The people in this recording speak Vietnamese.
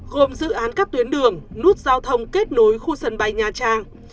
gồm dự án các tuyến đường nút giao thông kết nối khu sân bay nha trang